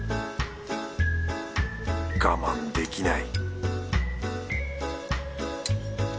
我慢できない